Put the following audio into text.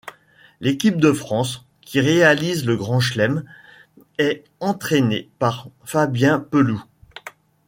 L'équipe de France, qui réalise le Grand Chelem, est entraînée par Fabien Pelous.